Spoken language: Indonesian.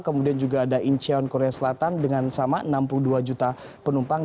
kemudian juga ada incheon korea selatan dengan sama enam puluh dua juta penumpang